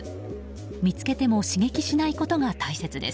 見つけても刺激しないことが大切です。